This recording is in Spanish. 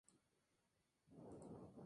Es hijo de Fátima Smith y Michael Beasley Sr.